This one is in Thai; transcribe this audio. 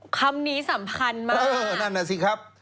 คำนี้สำคัญมากเออนั่นน่ะสิครับ